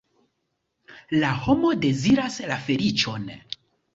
La homo deziras la feliĉon.